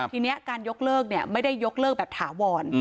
ทีนี้การยกเลิกไม่ได้ยกเลิกแบบถาวร